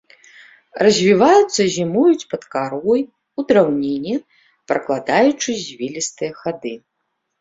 Развіваюцца і зімуюць пад карой, у драўніне, пракладаючы звілістыя хады.